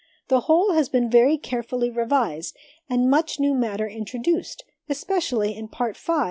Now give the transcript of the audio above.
The whole has been very carefully revised, and much new matter introduced, especially in Part V.